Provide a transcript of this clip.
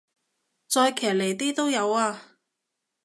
再騎呢啲都有啊